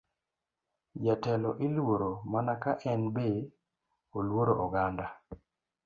Jatelo iluoro mana ka en be oluoro oganda.